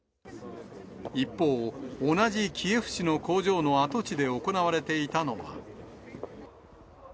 一方、同じキエフ市の工場の跡地で行われていたのは。